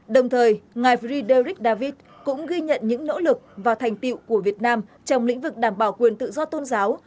đồng thời ngài vri derich david cũng ghi nhận những nỗ lực và thành tiệu của việt nam trong lĩnh vực đảm bảo quyền tự do tôn giáo